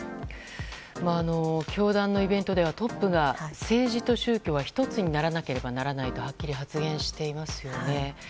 教団のイベントではトップが政治と宗教は１つにならなければならないとはっきり発言していますよね。